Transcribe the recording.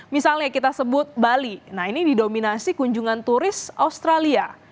misalnya kita sebut bali nah ini didominasi kunjungan turis australia